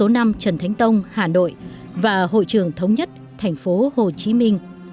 năm trần thánh tông hà nội và hội trường thống nhất thành phố hồ chí minh